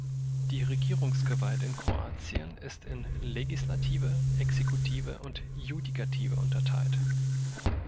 Die Regierungsgewalt in Kroatien ist in Legislative, Exekutive und Judikative unterteilt.